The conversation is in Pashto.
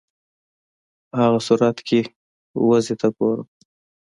په هغه صورت کې وضع ته ګورم.